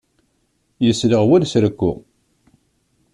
Yesleɣ wul s rekku.